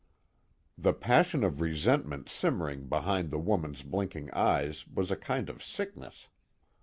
The passion of resentment simmering behind the woman's blinking eyes was a kind of sickness.